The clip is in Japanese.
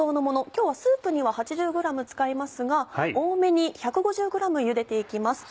今日はスープには８０ｇ使いますが多めに１５０ｇゆでて行きます。